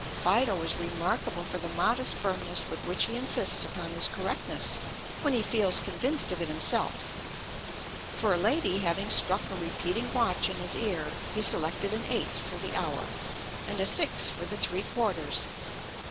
Fido is remarkable for the modest firmness with which he insists upon his correctness when he feels convinced of it himself; for a lady having struck a repeating watch in his ear, he selected an 8 for the hour, and a 6 for the three quarters.